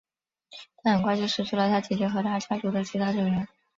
他很快就失去了他姐姐和他家族的其他成员。